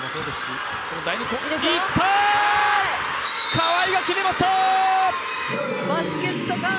川井が決めました！